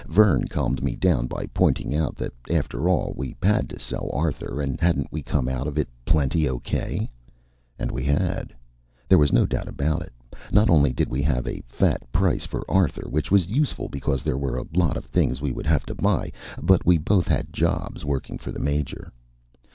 Vern calmed me down by pointing out that, after all, we had to sell Arthur, and hadn't we come out of it plenty okay? And we had. There was no doubt about it. Not only did we have a fat price for Arthur, which was useful because there were a lot of things we would have to buy, but we both had jobs working for the Major.